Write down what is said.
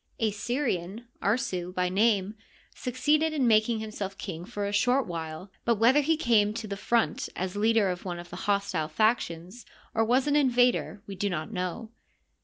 A Syrian, Arsu by name, succeeded in mak ing himself king for a short while, but whether he came to the front as leader of one of the hostile factions or was an invader we do not know.